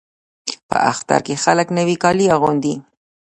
په اختر کې خلک نوي کالي اغوندي.